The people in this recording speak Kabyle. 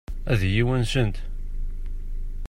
Ad iyi-wansent?